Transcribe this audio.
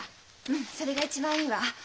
うんそれが一番いいわ。